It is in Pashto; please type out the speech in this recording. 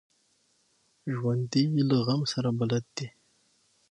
ژوندي له غم سره بلد دي